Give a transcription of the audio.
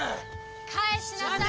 返しなさい！